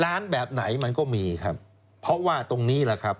ร้านแบบไหนมันก็มีครับเพราะว่าตรงนี้แหละครับ